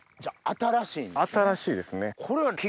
新しいですね。